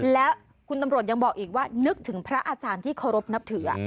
แล้วคุณตำรวจยังบอกอีกว่านึกถึงพระอาจารย์ที่เคารพนับถือ